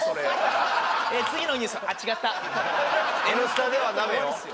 「Ｎスタ」ではダメよ